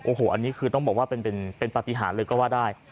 โอ้โหอันนี้คือต้องบอกว่าเป็นปฏิหารเลยก็ว่าได้